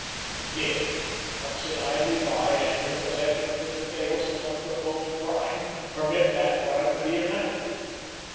If he did, he could not sit idly by and, in the possession of the details of some purposed crime, permit that crime to be enacted!